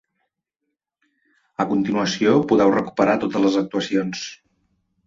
A continuació podeu recuperar totes les actuacions.